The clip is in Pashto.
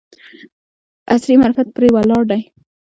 عصر معرفت پرې ولاړ دی.